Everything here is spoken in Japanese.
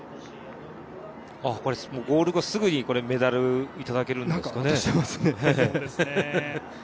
ゴール後すぐにメダルをいただけるんですかね